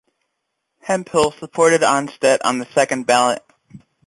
Hemphill supported Anstett on the second ballot.